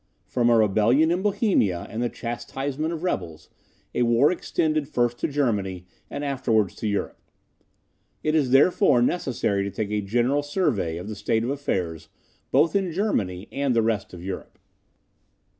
From a rebellion in Bohemia, and the chastisement of rebels, a war extended first to Germany, and afterwards to Europe. It is, therefore, necessary to take a general survey of the state of affairs both in Germany and the rest of Europe.